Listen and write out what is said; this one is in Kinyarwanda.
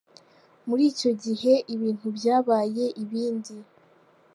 Muri icyo gihe, ibintu byabaye ibindi !